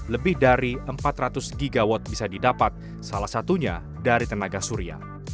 lebih dari empat ratus gigawatt bisa didapat salah satunya dari tenaga surya